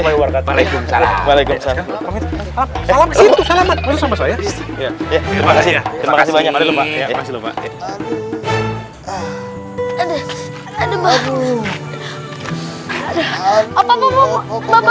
pesantren kunanta ya ya ya ya sebentar sebentar sayang banget kalau memenuhi kita manfaatkan